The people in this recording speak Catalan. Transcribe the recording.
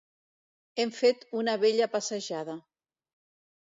Hem fet una bella passejada.